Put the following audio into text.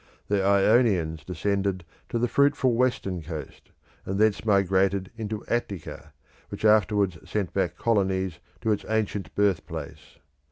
The Ionians descended to the fruitful western coast, and thence migrated into Attica, which afterwards sent back colonies to its ancient birth place.